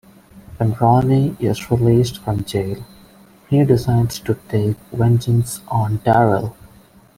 When Ronnie is released from jail, he decides to take vengeance on Darryl.